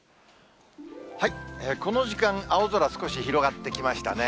この時間、青空、少し広がってきましたね。